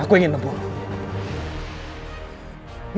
aku ingin membunuhmu